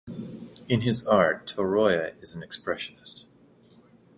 In his art Torroella is an Expressionist.